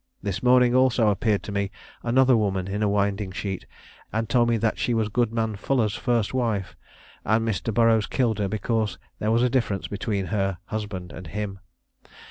This morning, also, appeared to me another woman in a winding sheet, and told me that she was Goodman Fuller's first wife, and Mr. Burroughs killed her, because there was a difference between her husband and him.